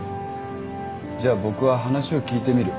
じゃあ僕は話を聞いてみる。